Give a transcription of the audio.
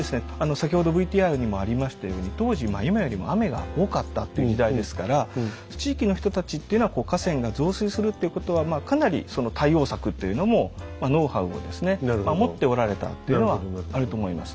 先ほどＶＴＲにもありましたように当時今よりも雨が多かったっていう時代ですから地域の人たちっていうのは河川が増水するっていうことはかなりその対応策というのもノウハウをですね持っておられたっていうのはあると思います。